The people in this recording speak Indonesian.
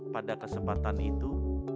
pada kesempatan itu